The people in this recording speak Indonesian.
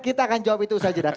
kita akan jawab itu usaha jeda